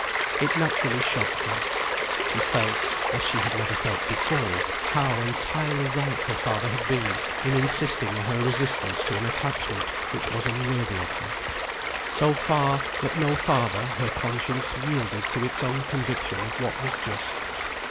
It naturally shocked her. She felt, as she had never felt before, how entirely right her father had been in insisting on her resistance to an attachment which was unworthy of her. So far, but no farther, her conscience yielded to its own conviction of what was just.